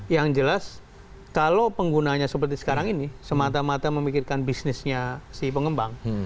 yang jelas kalau penggunanya seperti sekarang ini semata mata memikirkan bisnisnya si pengembang